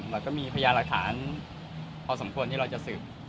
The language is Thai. เราก็มีพยานหลักฐานพอสมควรที่เราจะสืบ